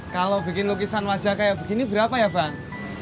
kalau bikin lukisan wajah kayak begini berapa ya bang